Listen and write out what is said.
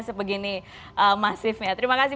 sebegini masifnya terima kasih